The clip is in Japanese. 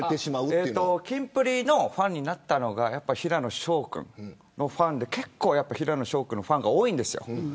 キンプリのファンになったのが平野紫耀くんのファンで結構、平野紫耀くんのファンが多いんですよ。